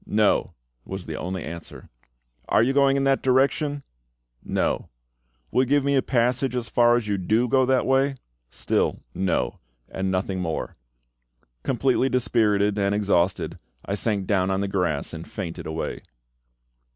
"No," was the only answer. "Are you going in that direction?" "No." "Will you give me a passage as far as you do go that way?" Still "No," and nothing more. Completely dispirited and exhausted, I sank down on the grass and fainted away.